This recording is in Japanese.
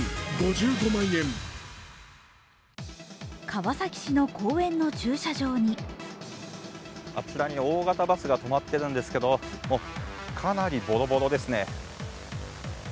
川崎市の公園の駐車場にあちらに大型バスが止まっているんですけどかなりボロボロですね。